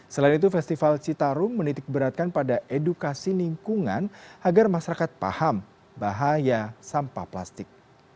selain itu festival citarum menitikberatkan pada edukasi lingkungan agar masyarakat paham bahaya sampah plastik